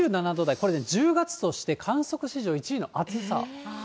これね、１０月として観測史上１位の暑さ。